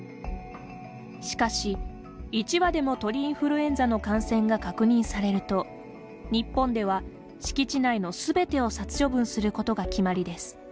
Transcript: しかし、１羽でも鳥インフルエンザの感染が確認されると日本では敷地内のすべてを殺処分することが決まりです。